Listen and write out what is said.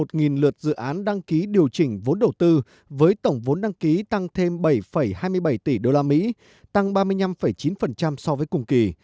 gần một lượt dự án đăng ký điều chỉnh vốn đầu tư với tổng vốn đăng ký tăng thêm bảy hai mươi bảy tỷ usd tăng ba mươi năm chín so với cùng kỳ